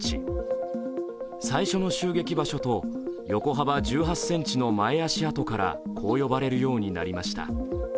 最初の襲撃場所と、横幅１８ｃｍの前足跡からこう呼ばれるようになりました。